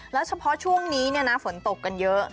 แล้วเฉพาะช่วงนี้ฝนตกกันเยอะ